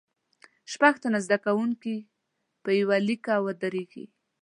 شپږ تنه زده کوونکي په یوه لیکه ودریږئ.